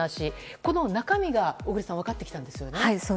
この中身が小栗さん分かってきたんですよね。